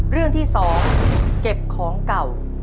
เรื่องที่๒เก็บของเก่า